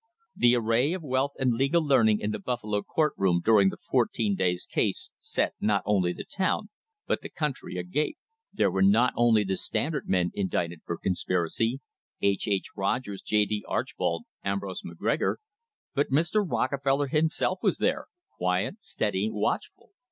The array of wealth and legal learning in the Buffalo court room during the fourteen days' case set not only the town, but the country agape. There were not only the Standard men indicted for conspiracy H. H. Rogers, J. D. Archbold, Ambrose Mc Gregor but Mr. Rockefeller himself was there, quiet, steady, watchful.